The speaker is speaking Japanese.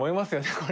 これ。